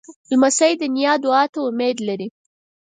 لمسی د نیا دعا ته امید لري.